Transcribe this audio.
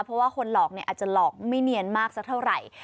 เพราะว่าคนหลอกเนี่ยอาจจะหลอกไม่เนียนมากสักเท่าไหร่